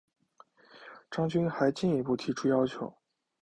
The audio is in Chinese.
张军还进一步提出要求